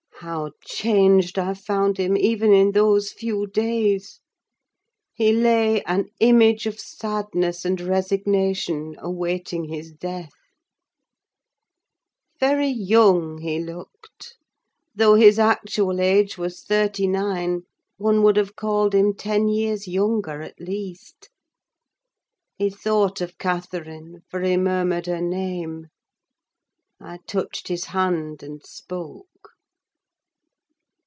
How changed I found him, even in those few days! He lay an image of sadness and resignation awaiting his death. Very young he looked: though his actual age was thirty nine, one would have called him ten years younger, at least. He thought of Catherine; for he murmured her name. I touched his hand, and spoke.